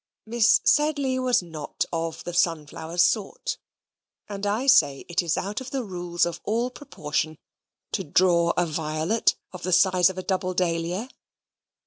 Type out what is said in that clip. Miss Sedley was not of the sunflower sort; and I say it is out of the rules of all proportion to draw a violet of the size of a double dahlia.